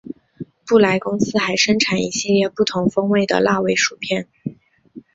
布莱公司还生产一系列不同风味的辣味薯片。